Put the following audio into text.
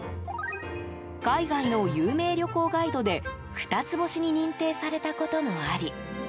海外の有名旅行ガイドで二つ星に認定されたこともあり